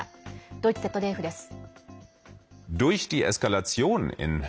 ドイツＺＤＦです。